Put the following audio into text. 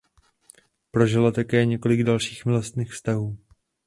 Prožila také několik dalších milostných vztahů.